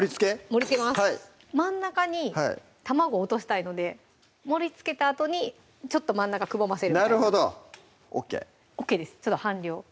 盛りつけます真ん中に卵落としたいので盛りつけたあとにちょっと真ん中くぼませるみたいななるほどＯＫＯＫです